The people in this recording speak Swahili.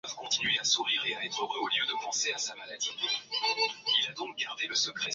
Magonjwa ya kuhara